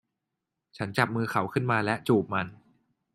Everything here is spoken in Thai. ฉันจับมือเขาขึ้นมาและจูบมัน